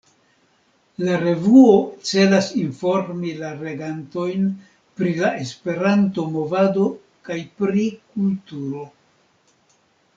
La revuo celas informi la legantojn pri la Esperanto-movado kaj pri kulturo.